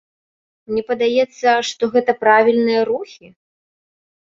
Мне падаецца, што гэта правільныя рухі.